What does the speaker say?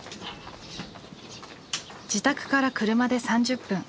自宅から車で３０分。